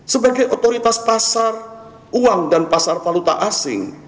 sebagai otoritas pasar uang dan pasar valuta asing